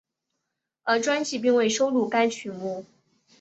而专辑并未收录该曲目。